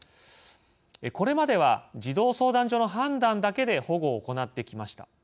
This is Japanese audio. これまでは児童相談所の判断だけで保護を行ってきました。